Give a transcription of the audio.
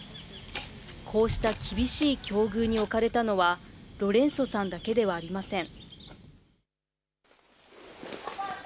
こうした厳しい境遇に置かれたのは、ロレンソさんだけではありません。